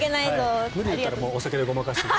無理だったらお酒でごまかして。